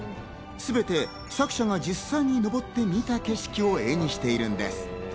すべて作者が実際に登ってみた景色を絵にしているんです。